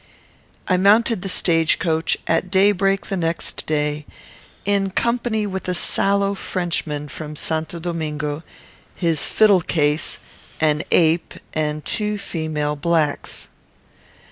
I mounted the stage coach at daybreak the next day, in company with a sallow Frenchman from St. Domingo, his fiddle case, an ape, and two female blacks.